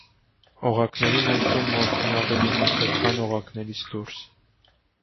Օղակների ներսում մորթին ավելի մուգ է, քան օղակներից դուրս։